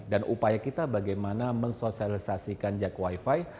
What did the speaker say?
dan upaya kita bagaimana mensosialisasikan jak wifi